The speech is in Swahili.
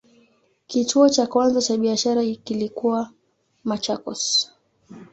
Kituo cha kwanza cha biashara kilikuwa Machakos.